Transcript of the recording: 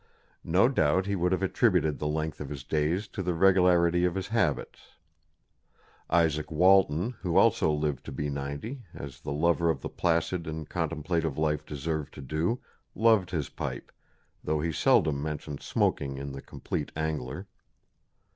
No doubt he would have attributed the length of his days to the regularity of his habits. Izaak Walton, who also lived to be ninety, as the lover of the placid and contemplative life deserved to do, loved his pipe, though he seldom mentions smoking in the "Compleat Angler."